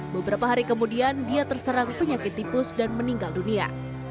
beberapa hari kemudian dia terserang penyakit tipus dan meninggal dunia